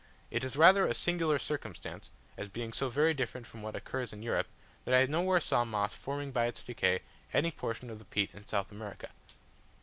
It is rather a singular circumstance, as being so very different from what occurs in Europe, that I nowhere saw moss forming by its decay any portion of the peat in South America.